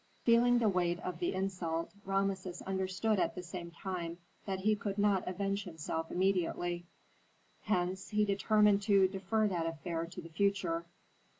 Feeling the weight of the insult, Rameses understood at the same time that he could not avenge himself immediately. Hence he determined to defer that affair to the future.